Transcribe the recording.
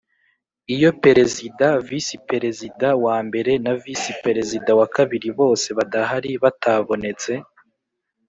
Iyo Perezida Visi Perezida wa mbere na VisiPerezida wa kabiri bose badahari batabonetse